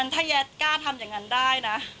ถ้าแสกล้าทำอย่างนั้นได้นะ